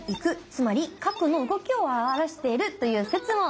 つまり角の動きを表しているという説も。